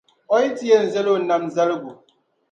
O yi ti yɛn zali o nam zaligu.